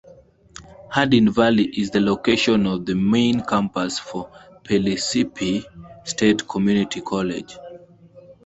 Hardin Valley is the location of the main campus for Pellissippi State Community College.